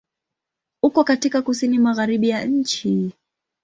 Uko katika Kusini Magharibi ya nchi.